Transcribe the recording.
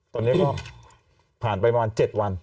ตอนนี้ก็ผ่านไปประมาณ๗วัน